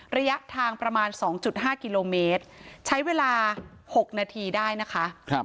ระยะทางประมาณ๒๕กิโลเมตรใช้เวลา๖นาทีได้นะคะ